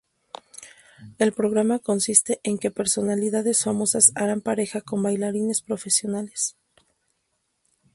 El programa consiste en que personalidades famosas harán pareja con bailarines profesionales.